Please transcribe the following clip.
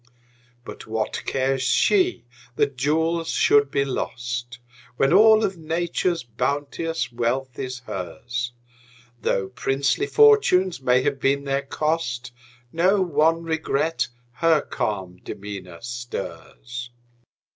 But what cares she that jewels should be lost, When all of Nature's bounteous wealth is hers? Though princely fortunes may have been their cost, Not one regret her calm demeanor stirs.